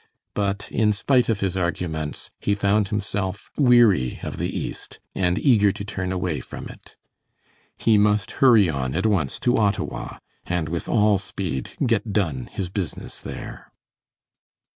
But in spite of his arguments, he found himself weary of the East and eager to turn away from it. He must hurry on at once to Ottawa, and with all speed get done his business there.